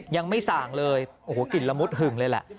ยังไม่ส่างเลยโอ้โหกลิ่นละมุดหึงเลยแหละ